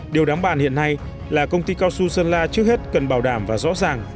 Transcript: điều đáng bàn hiện nay là công ty cao su sơn la trước hết cần bảo đảm và rõ ràng